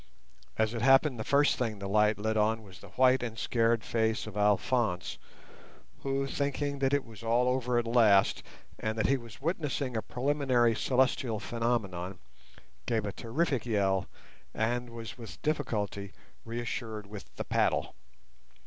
As it happened, the first thing the light lit on was the white and scared face of Alphonse, who, thinking that it was all over at last, and that he was witnessing a preliminary celestial phenomenon, gave a terrific yell and was with difficulty reassured with the paddle.